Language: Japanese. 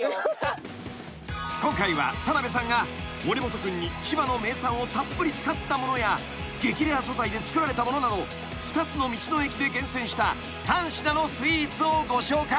［今回は田辺さんが森本君に千葉の名産をたっぷり使ったものや激レア素材で作られたものなど２つの道の駅で厳選した３品のスイーツをご紹介］